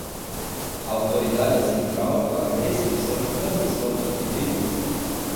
autoridade central para recepção e transmissão dos pedidos